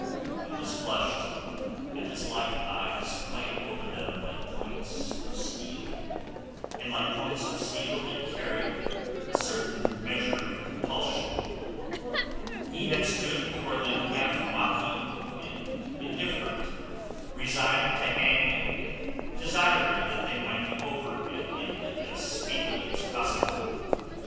He was flushed, and his light eyes played over them like points of steel, and like points of steel they carried a certain measure of compulsion. He had stood before them half mocking and indifferent, resigned to hang and desiring the thing might be over and ended as speedily as possible.